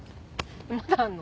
まだあるの？